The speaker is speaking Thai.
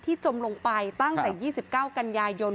จมลงไปตั้งแต่๒๙กันยายน